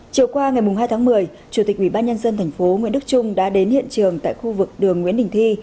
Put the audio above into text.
chiều qua ngày hai tháng một mươi chủ tịch ubnd tp nguyễn đức trung đã đến hiện trường tại khu vực đường nguyễn đình thi